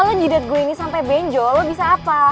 kalau jidat gue ini sampai benjol lo bisa apa